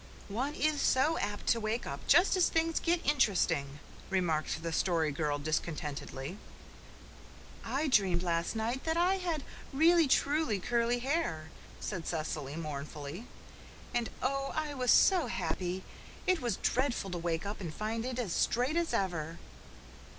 "One is so apt to wake up just as things get interesting," remarked the Story Girl discontentedly. "I dreamed last night that I had really truly curly hair," said Cecily mournfully. "And oh, I was so happy! It was dreadful to wake up and find it as straight as ever."